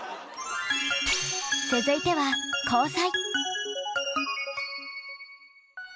続いては交際。